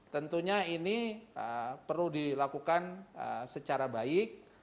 tentunya ini perlu dilakukan secara baik